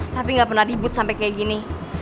tapi gak pernah dibut sampai kayak gini